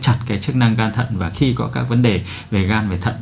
chặt cái chức năng gan thận và khi có các vấn đề về gan về thận